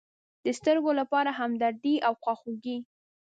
د سترگو لپاره همدردي او خواخوږي.